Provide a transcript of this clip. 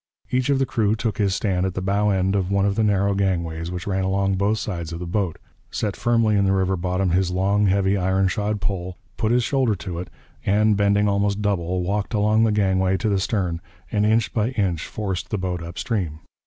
Each of the crew took his stand at the bow end of one of the narrow gangways which ran along both sides of the boat, set firmly in the river bottom his long, heavy, iron shod pole, put his shoulder to it, and, bending almost double, walked along the gangway to the stern and inch by inch forced the boat up stream.